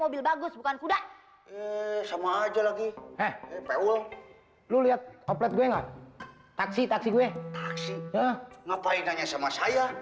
mobil bagus bukan kuda sama aja lagi eh lu lihat oplet gue taksi taksi gue ngapain nanya sama saya